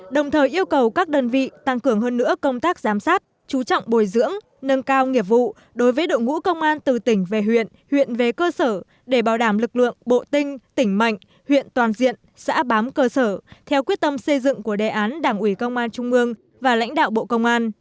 đồng thời yêu cầu các đơn vị tăng cường hơn nữa công tác giám sát chú trọng bồi dưỡng nâng cao nghiệp vụ đối với đội ngũ công an từ tỉnh về huyện huyện về cơ sở để bảo đảm lực lượng bộ tinh tỉnh mạnh huyện toàn diện xã bám cơ sở theo quyết tâm xây dựng của đề án đảng ủy công an trung ương và lãnh đạo bộ công an